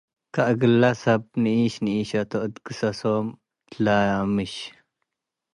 ከእግለ ሰብ ንኢሽ ኒኢሸቶ እት ግሰሶም ትለምሽ ።